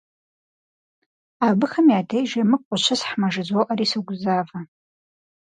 Абыхэм я деж емыкӀу къыщысхьмэ жызоӀэри согузавэ.